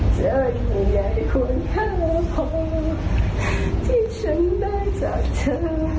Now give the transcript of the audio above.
ใจให้ใหญ่ควรแค่พอที่ฉันได้จากเธอ